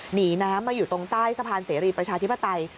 หนีน้ำมาอยู่ตรงใต้สะพานเสรีประชาธิปไตย